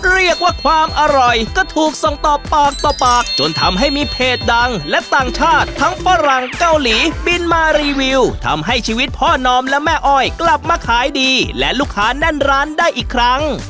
เรียกว่าความอร่อยก็ถูกส่งต่อปากต่อปากจนทำให้มีเพจดังและต่างชาติทั้งฝรั่งเกาหลีบินมารีวิวทำให้ชีวิตพ่อนอมและแม่อ้อยกลับมาขายดีและลูกค้าแน่นร้านได้อีกครั้ง